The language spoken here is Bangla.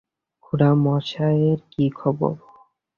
খুড়ামশায়ের কী খবর?